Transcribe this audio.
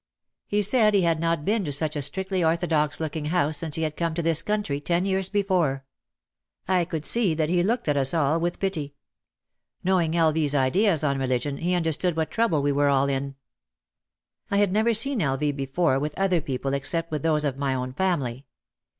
He said he had not been to such a strictly orthodox looking house since he had come to this country ten years before. I could see that he looked at us all with pity. Knowing L. V.'s ideas on religion, he understood what trouble we were all in. I had never seen L. V. before with other people except with those of my own family.